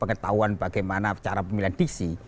pengetahuan bagaimana cara pemilihan diksi